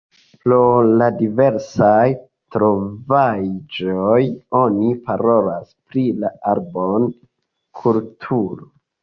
Pro la diversaj trovaĵoj oni parolas pri la Arbon-kulturo.